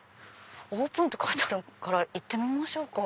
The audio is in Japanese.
オープンって書いてあるから行ってみましょうか。